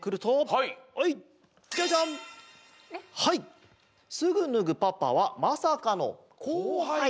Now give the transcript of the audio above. はい「すぐ脱ぐパパはまさかの後輩」。